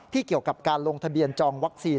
เกี่ยวกับการลงทะเบียนจองวัคซีน